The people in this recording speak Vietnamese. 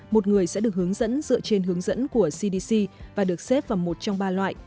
một người sẽ được hướng dẫn dựa trên hướng dẫn của cdc và được xếp vào một trong ba loại